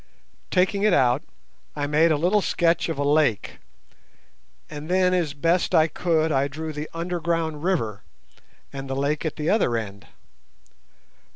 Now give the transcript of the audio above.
Taking it out, I made a little sketch of a lake, and then as best I could I drew the underground river and the lake at the other end.